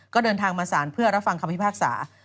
ก็เดินทางมาสารเพื่อรับฟังคำพิพากษา